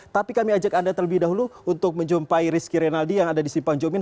tapi kami ajak anda terlebih dahulu untuk menjumpai rizky renaldi yang ada di simpang jomin